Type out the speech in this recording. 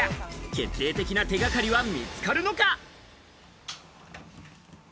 決定的な手掛かりは見つかるのか？